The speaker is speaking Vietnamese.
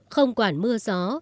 không quản mưa gió